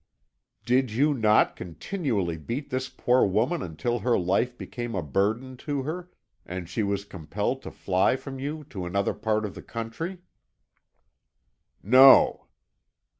"Did you not continually beat this poor woman until her life became a burden to her, and she was compelled to fly from you to another part of the country?" "No."